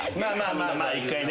まあまあ一回ね。